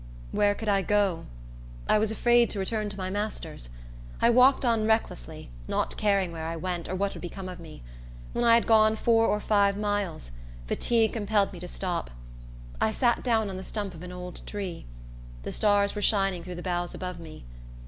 Where could I go? I was afraid to return to my master's. I walked on recklessly, not caring where I went, or what would become of me. When I had gone four or five miles, fatigue compelled me to stop. I sat down on the stump of an old tree. The stars were shining through the boughs above me.